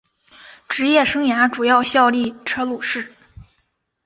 职业生涯主要效力车路士。